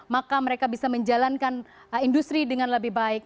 maka mereka bisa menjalankan industri dengan lebih baik